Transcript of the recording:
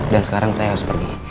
dan sekarang saya harus pergi